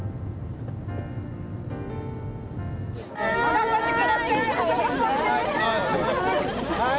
・頑張って下さい！